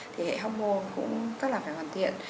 thì hệ hormone cũng rất là phải hoàn thiện